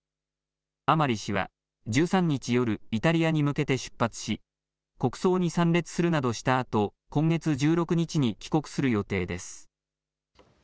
甘利氏は１３日、夜イタリアに向けて出発し国葬に参列するなどしたあと今月１６日に帰国する予定です。